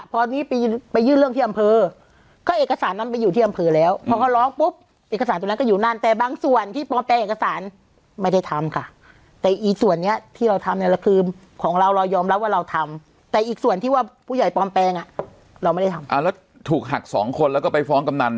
ผมไม่รู้คืออะไรคือในวงการเป็นที่รู้กันค่ะ